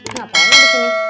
ngapain lu disini